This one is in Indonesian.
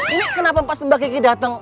ini kenapa pas mbak kiki dateng